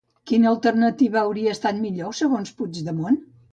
Quina alternativa hauria estat millor, segons Puigdemont?